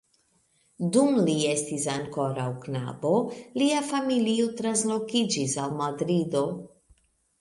Dum li estis ankoraŭ knabo, lia familio translokiĝis al Madrido.